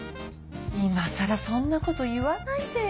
今更そんなこと言わないでよ。